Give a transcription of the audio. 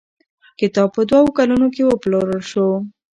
کتاب په دوو کلونو کې وپلورل شو.